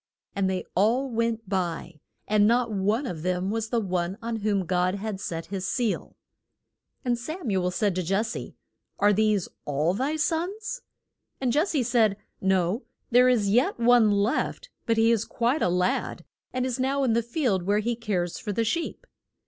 And they all went by, and not one of them was the one on whom God had set his seal. And Sam u el said to Jes se, Are these all thy sons? And Jes se said, No there is yet one left; but he is quite a lad, and is now in the field where he cares for the sheep.